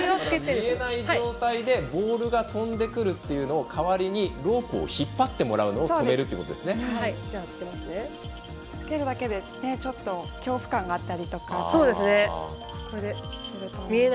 見えない状態でボールが飛んでくるというのを代わりに、ロープを引っ張って着けるだけでちょっと恐怖感があったりとか。